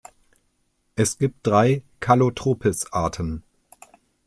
Es gibt drei "Calotropis"-Arten.